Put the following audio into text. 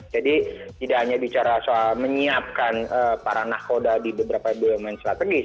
jadi tidak hanya bicara soal menyiapkan para nakhoda di beberapa bumn strategis